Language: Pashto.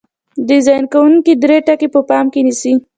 ډیزاین کوونکي درې ټکي په پام کې نیسي.